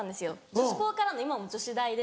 女子高からの今も女子大で。